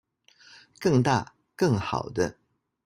更大更好的